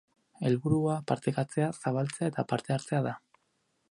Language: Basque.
Helburua, partekatzea, zabaltzea eta parte hartzea da.